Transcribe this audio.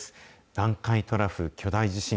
南海トラフ巨大地震。